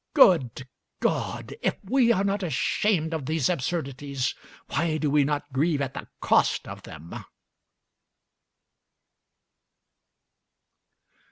Good God! if we are not ashamed of these absurdities, why do we not grieve at the cost of them?